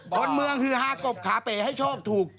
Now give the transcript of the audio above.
คนเมืองฮือฮากบขาเป๋ให้โชคถูก